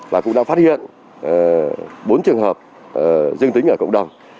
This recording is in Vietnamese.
và cũng đã phát hiện bốn trường hợp dương tính ở cộng đồng